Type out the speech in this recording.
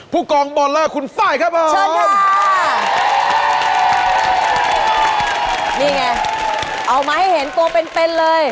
ผู้กองบอลเลอร์คุณไฟล์ครับผมเชิญครับนี่ไงเอามาให้เห็นตัวเป็นเป็นเลย